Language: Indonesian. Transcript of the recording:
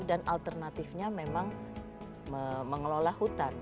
dan alternatifnya memang mengelola hutan